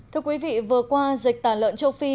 thưa quý vị vừa qua dịch tả lợn châu phi